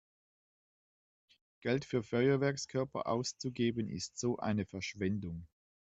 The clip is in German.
Geld für Feuerwerkskörper auszugeben ist so eine Verschwendung!